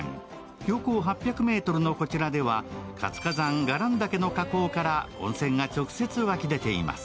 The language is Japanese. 標高８００ｍのこちらでは活火山・伽藍岳の火口から温泉が直接湧き出ています。